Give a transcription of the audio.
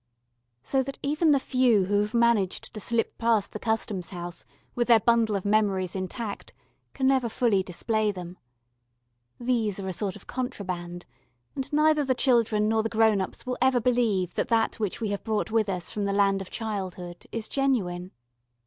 So that even the few who have managed to slip past the Customs house with their bundle of memories intact can never fully display them. These are a sort of contraband, and neither the children nor the grown ups will ever believe that that which we have brought with us from the land of childhood is genuine.